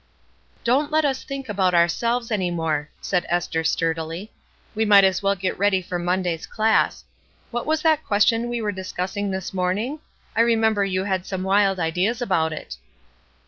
" Don't let us think about ourselves anymore," said Esther, sturdily. We might as well get ready for Monday's class. What was that question we were discussing this morning? I remember you had some wild ideas about it."